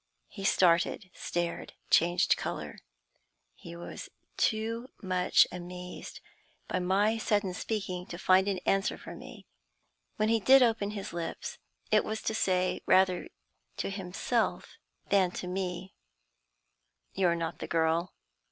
He started, stared, changed color. He was too much amazed by my sudden speaking to find an answer for me. When he did open his lips, it was to say rather to himself than me: "You're not the girl."